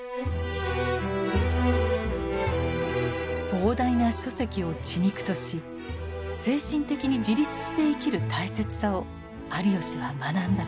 膨大な書籍を血肉とし精神的に自立して生きる大切さを有吉は学んだのです。